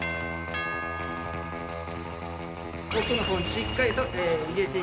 奥の方にしっかりと入れて。